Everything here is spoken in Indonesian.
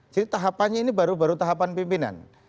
jadi tahapannya ini baru baru tahapan pimpinan